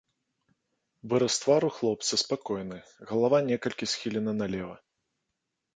Выраз твару хлопца спакойны, галава некалькі схілена налева.